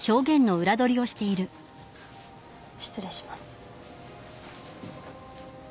失礼します。